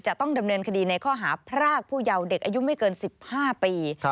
จะต้องดำเนินคดีในข้อหาพรากผู้เยาว์เด็กอายุไม่เกิน๑๕ปี